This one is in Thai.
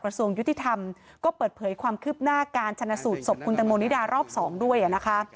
ส่วนยุติธรรมก็เปิดเผยความคืบหน้าการชนะสูตรศพคุณตังโมนิดารอบ๒ด้วยนะคะ